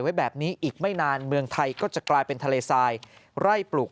ไว้แบบนี้อีกไม่นานเมืองไทยก็จะกลายเป็นทะเลทรายไล่ปลูก